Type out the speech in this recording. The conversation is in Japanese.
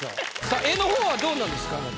さあ絵の方はどうなんですか？